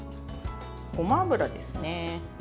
ごま油ですね。